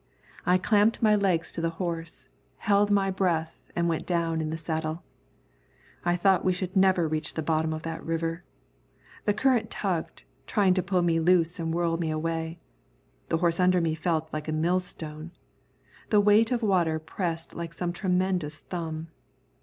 I clamped my legs to the horse, held my breath, and went down in the saddle. I thought we should never reach the bottom of that river. The current tugged, trying to pull me loose and whirl me away. The horse under me felt like a millstone. The weight of water pressed like some tremendous thumb.